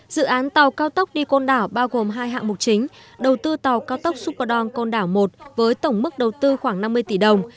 dự án tàu cao tốc đi côn đảo bao gồm hai hạng mục chính đầu tư tàu cao tốc superang côn đảo một với tổng mức đầu tư khoảng năm mươi tỷ đồng